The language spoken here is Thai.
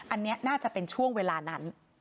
อันนี้น่าจะเป็นช่วงเวลานั้น